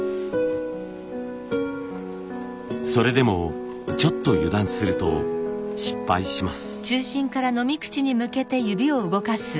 それでもちょっと油断すると失敗します。